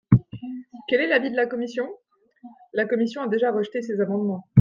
Quel est l’avis de la commission ? La commission a déjà rejeté ces amendements.